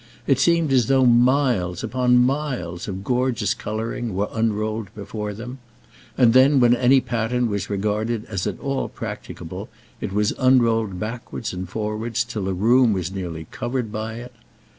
It seemed as though miles upon miles of gorgeous colouring were unrolled before them; and then when any pattern was regarded as at all practicable, it was unrolled backwards and forwards till a room was nearly covered by it.